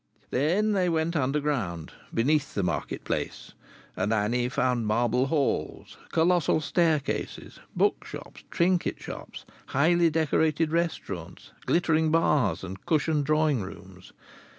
Then they went underground, beneath the market place, and Annie found marble halls, colossal staircases, bookshops, trinket shops, highly decorated restaurants, glittering bars, and cushioned drawing rooms.